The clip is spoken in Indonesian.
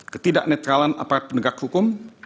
ketidaknetralan aparat penegak hukum